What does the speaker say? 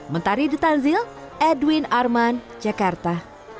mentari di tanzil edwin arman jakarta